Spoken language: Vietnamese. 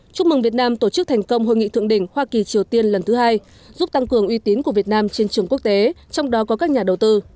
chúc mừng việt nam tổ chức thành công hội nghị thượng đỉnh hoa kỳ triều tiên lần thứ hai giúp tăng cường uy tín của việt nam trên trường quốc tế trong đó có các nhà đầu tư